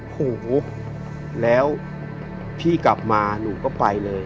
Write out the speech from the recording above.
หูแล้วพี่กลับมาหนูก็ไปเลย